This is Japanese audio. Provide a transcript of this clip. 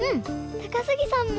高杉さんも？